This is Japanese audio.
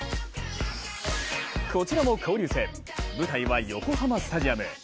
こちらも交流戦、舞台は横浜スタジアム。